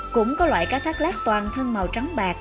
cũng có loại cá thác lát toàn thân màu trắng bạc